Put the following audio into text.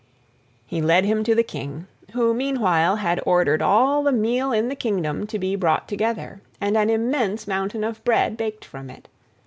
He led him to the King, who meanwhile had ordered all the meal in the Kingdom to be brought together, and an immense mountain of bread baked from it.